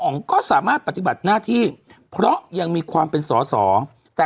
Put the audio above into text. ก็สามารถปฏิบัติหน้าที่เพราะยังมีความเป็นสอสอแต่